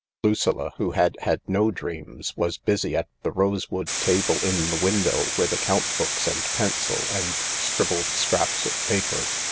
Lucilla, who had had no dreams, was busy at the rosewood table in the window with account books and pencil and scribbled scraps of paper.